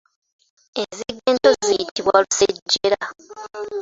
Enzige ento ziyitibwa lusejjera.